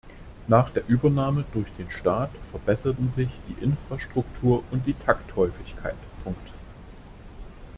Nach der Übernahme durch den Staat verbesserten sich die Infrastruktur und die Takthäufigkeit.